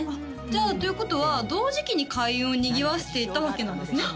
じゃあということは同時期に開運をにぎわしていたわけなんですね・